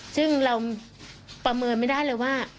ซึ่งเราประเมินไม่ได้เลยว่า